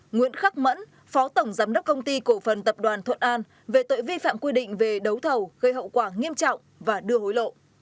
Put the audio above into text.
nguyễn khắc mẫn phó tổng giám đốc công ty cổ phần tập đoàn thuận an về tội vi phạm quy định về đấu thầu gây hậu quả nghiêm trọng và đưa hối lộ